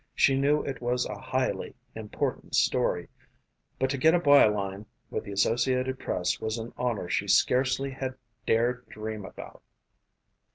She knew it was a highly important story, but to get a by line with the Associated Press was an honor she scarcely had dared dream about.